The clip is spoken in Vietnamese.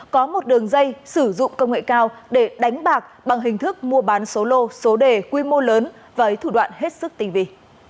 có một đường dây sử dụng công nghệ cao để đánh bạc bằng hình thức mua bán số lô số đề quy mô lớn với thủ đoạn hết sức tình vị